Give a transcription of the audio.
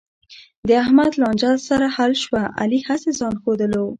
د احمد لانجه سره حل شوه، علي هسې ځآن ښودلو.